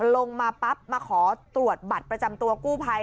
ลงมาปั๊บมาขอตรวจบัตรประจำตัวกู้ภัย